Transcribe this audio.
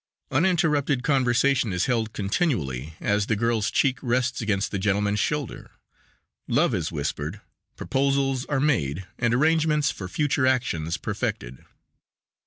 Uninterrupted conversation is held continually as the girl's cheek rests against the gentleman's shoulder. Love is whispered, proposals are made, and arrangements for future actions perfected.